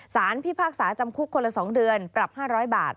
พิพากษาจำคุกคนละ๒เดือนปรับ๕๐๐บาท